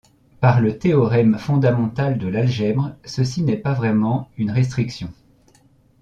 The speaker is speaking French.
Par le théorème fondamental de l'algèbre, ceci n'est pas vraiment une restriction.